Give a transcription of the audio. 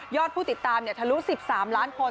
ยอดผู้ติดตามเนี่ยทะลุ๑๓ล้านคน